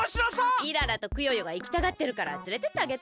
イララとクヨヨがいきたがってるからつれてってあげて！